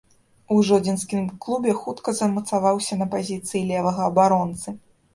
У жодзінскім клубе хутка замацаваўся на пазіцыі левага абаронцы.